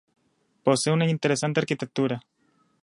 Posee una interesante arquitectura.